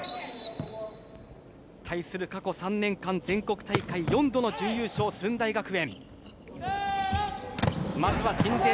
対する過去３年間全国大会４度の準優勝駿台学園。